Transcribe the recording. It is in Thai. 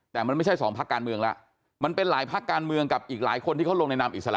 แต่มันไม่ใช่สองพักการเมืองแล้วมันเป็นหลายพักการเมืองกับอีกหลายคนที่เขาลงในนามอิสระ